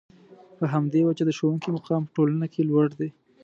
په همدې وجه د ښوونکي مقام په ټولنه کې لوړ دی.